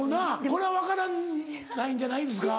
これは分からないんじゃないですか？